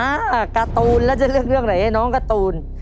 การ์ตูนแล้วจะเลือกเรื่องไหนให้น้องการ์ตูน